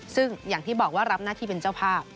ซึ่งอย่างที่บอกว่ารับหน้าที่เป็นเจ้าภาพ